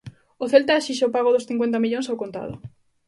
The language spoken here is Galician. O Celta esixe o pago dos cincuenta millóns ao contado.